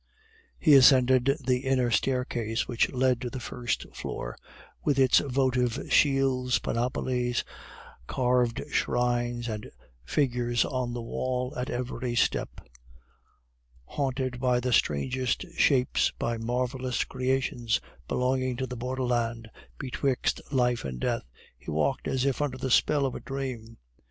He ascended the inner staircase which led to the first floor, with its votive shields, panoplies, carved shrines, and figures on the wall at every step. Haunted by the strangest shapes, by marvelous creations belonging to the borderland betwixt life and death, he walked as if under the spell of a dream.